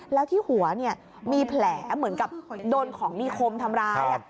แล้วที่หัวมีแผลเหมือนกับโดนของมีคมทำร้าย